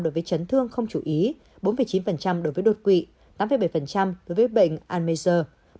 một mươi sáu tám đối với chấn thương không chú ý bốn chín đối với đột quỵ tám bảy đối với bệnh almeida